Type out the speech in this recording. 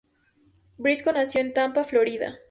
Brisco nació en Tampa, Florida.